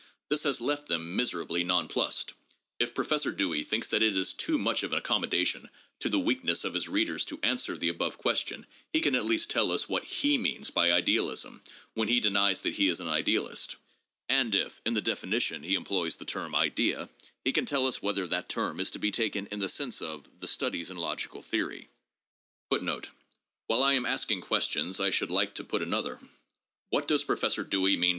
This has left them miserably nonplussed. If Professor Dewey thinks that it is too much of an accommodation to the weak ness of his readers to answer the above question, he can at least tell us what he means by idealism, when he denies that he is an idealist. And if in the definition he employs the term idea, he can tell us whether that term is to be taken in the sense of the "Studies in Logical Theory." 7 But, of course, when experience is used in the definition of ideal ism, we have another difficulty.